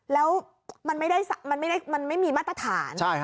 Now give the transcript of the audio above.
แล้วมันไม่ได้มันไม่มีมาตรฐานใช่ค่ะ